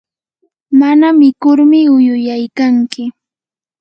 mana mikurmi uyuyaykanki.